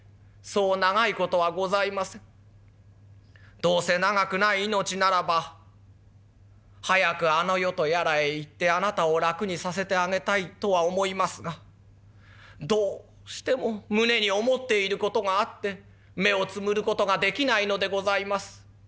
どうせ長くない命ならば早くあの世とやらへ行ってあなたを楽にさせてあげたいとは思いますがどうしても胸に思っている事があって目をつむる事ができないのでございます」。